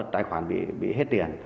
tài khoản bị hết tiền